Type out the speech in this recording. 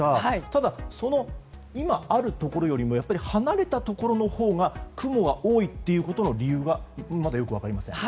ただ、今あるところよりも離れたところのほうが雲は多いということの理由がまだよく分かりません。